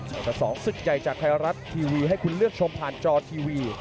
กับสองศึกใหญ่จากไทยรัฐทีวีให้คุณเลือกชมผ่านจอทีวี